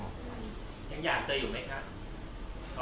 ยังอยากเจออยู่ไหมคะ